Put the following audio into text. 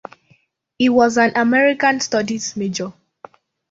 He was an American Studies major.